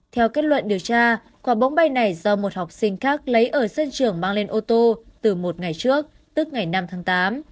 theo kết luận điều tra quả bóng bay này do một học sinh khác lấy ở sân trường mang lên ô tô từ một ngày trước tức ngày năm tháng tám